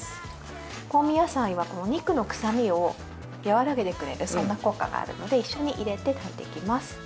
香味野菜はお肉の臭みを和らげてくれる、そんな効果があるので、一緒に入れて炊いていきます。